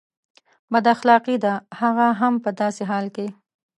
بد اخلاقي ده هغه هم په داسې حال کې.